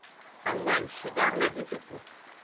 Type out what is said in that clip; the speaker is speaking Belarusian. Анлайн з суда глядзіце тут.